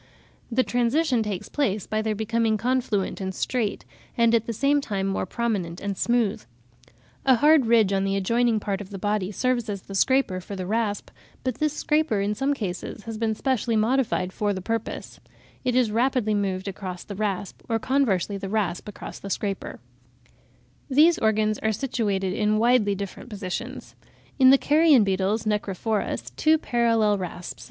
The transition takes place by their becoming confluent and straight, and at the same time more prominent and smooth. A hard ridge on an adjoining part of the body serves as the scraper for the rasp, but this scraper in some cases has been specially modified for the purpose. It is rapidly moved across the rasp, or conversely the rasp across the scraper. [Fig.25. Necrophorus (from Landois). r. The two rasps. Left hand figure, part of the rasp highly magnified.] These organs are situated in widely different positions. In the carrion beetles (Necrophorus) two parallel rasps (r, Fig.